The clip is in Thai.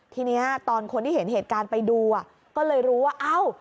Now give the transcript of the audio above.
ทีนี้ตอนคนที่เห็นเหตุการณ์ไปดูอ่ะก็เลยรู้ว่าเอ้า